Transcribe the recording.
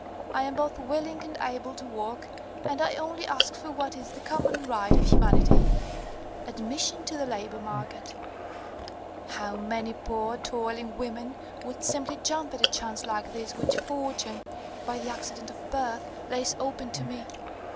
I am both willing and able to work, and I only ask for what is the common right of humanity, admission to the labour market. How many poor, toiling women would simply jump at a chance like this which fortune, by the accident of birth, lays open to me!